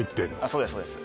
そうですそうです